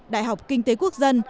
đại học kinh tế quốc dân